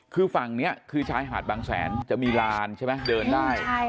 คือฝั่งนี้คือชายหาดบางแสนจะมีลานใช่ไหมเดินได้